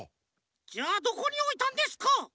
じゃあどこにおいたんですか？